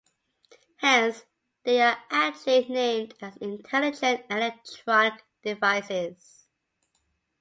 Hence, they are aptly named as Intelligent Electronic Devices.